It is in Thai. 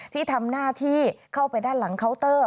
ที่ทำหน้าที่เข้าไปด้านหลังเคาน์เตอร์